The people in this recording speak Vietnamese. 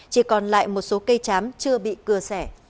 chỉ còn lại một số cây chám chưa bị cưa xẻ